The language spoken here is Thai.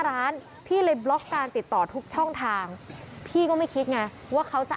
แล้วอีกอย่างหนึ่งบอกไปแล้วว่า